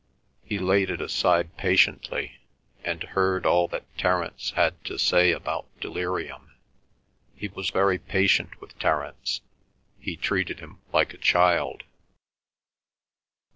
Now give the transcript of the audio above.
He laid it aside patiently, and heard all that Terence had to say about delirium. He was very patient with Terence. He treated him like a child.